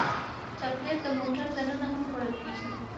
چاکلېټ د موټر دننه هم خوړل کېږي.